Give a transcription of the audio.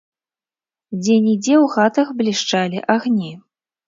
Дзе-нідзе ў хатах блішчалі агні.